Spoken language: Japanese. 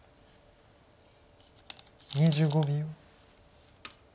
２５秒。